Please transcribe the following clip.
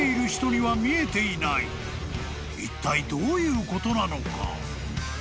［いったいどういうことなのか？］